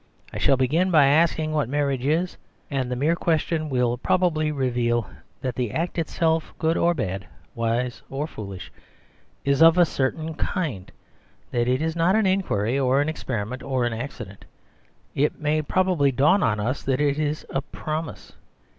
I shall begin by asking what marriage is ; and the mere question will probably reveal that the act itself, good or bad, wise or foolish, is of a certain kind ; that it is not an inquiry or an experiment or an accident; it may probably dawn on us that it is a promise.